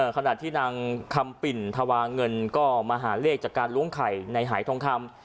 ขณะที่นางคำปิ่นธวาเงินก็มาหาเลขจากการล้วงไข่ในหายทองคำ